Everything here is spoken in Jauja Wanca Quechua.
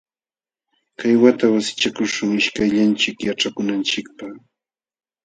Kay wata wasichakuśhun ishkayllanchik yaćhakunanchikpaq.